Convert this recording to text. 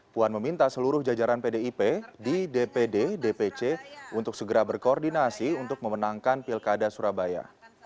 puan meminta seluruh jajaran pdip di dpd dpc untuk segera berkoordinasi untuk memenangkan pilkada surabaya